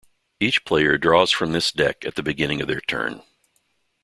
Each player draws from this deck at the beginning of their turn.